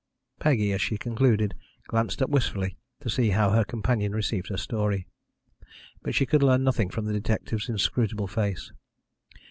Peggy, as she concluded, glanced up wistfully to see how her companion received her story, but she could learn nothing from the detective's inscrutable face.